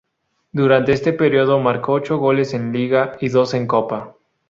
Durante ese periodo marcó ocho goles en Liga y dos en Copa.